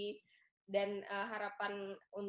ini kan tadi coach jadin sudah menyampaikan